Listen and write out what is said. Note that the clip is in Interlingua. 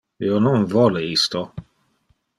Io non vole isto.